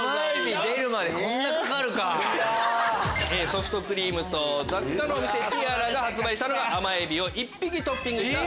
ソフトクリームと雑貨のお店ＴＩＡＲＡが発売したのが甘エビを１匹トッピングした。